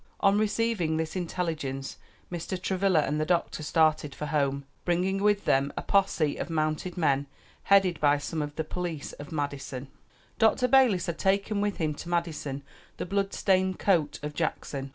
On receiving this intelligence Mr. Travilla and the doctor started for home, bringing with them a posse of mounted men headed by some of the police of Madison. Dr. Balis had taken with him to Madison the blood stained coat of Jackson.